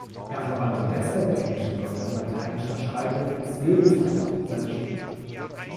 Er verwandte deshalb englische Wörter in lateinischer Schreibung als Silbenzeichen in seiner Schrift.